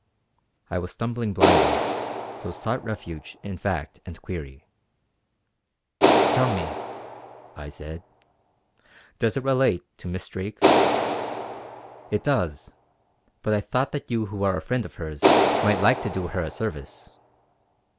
I was stumbling blindly, so sought refuge in fact and query, "Tell me" I said "does it relate to Miss Drake?" "It does; but I thought that you who are a friend of hers might like to do her a service."